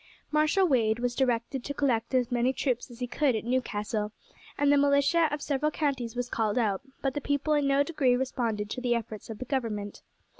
Marshal Wade was directed to collect as many troops as he could at Newcastle, and the militia of several counties was called out; but the people in no degree responded to the efforts of the government.